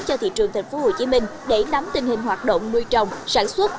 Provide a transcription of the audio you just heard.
cho thị trường tp hcm để nắm tình hình hoạt động nuôi trồng sản xuất